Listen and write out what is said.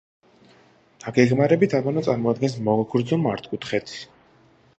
დაგეგმარებით აბანო წარმოადგენს მოგრძო მართკუთხედს.